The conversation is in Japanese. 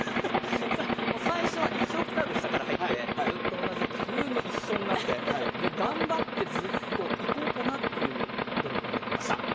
最初は１オクターブ下から入ってずっと同じで急に一緒になって頑張っていこうかなっていう努力が見られました。